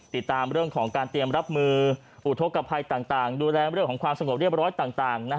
ติดตามเรื่องของการเตรียมรับมืออุทธกภัยต่างดูแลเรื่องของความสงบเรียบร้อยต่าง